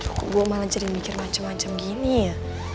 duh kok gue malah jadi mikir macem macem gini ya